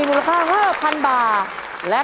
สลกมาหน่อยนะครับ